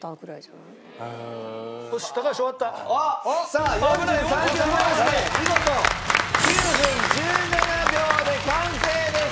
さあ４３秒残しで見事１９分１７秒で完成です！